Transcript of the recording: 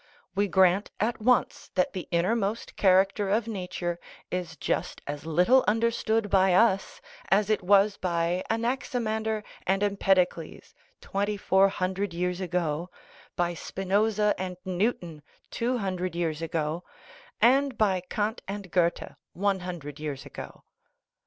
We grant at once that the innermost character of nature is just as little understood by us as it was by Anaximander and Empedocles twenty four hundred years ago, by Spinoza and Newton two hundred years ago, and by Kant and Goethe one hundred years ago.